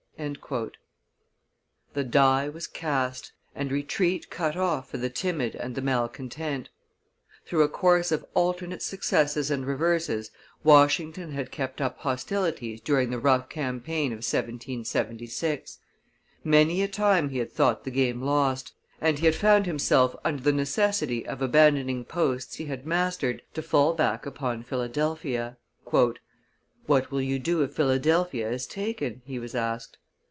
The die was cast, and retreat cut off for the timid and the malcontent; through a course of alternate successes and reverses Washington had kept up hostilities during the rough campaign of 1776. Many a time he had thought the game lost, and he had found himself under the necessity of abandoning posts he had mastered to fall back upon Philadelphia. "What will you do if Philadelphia is taken?" he was asked.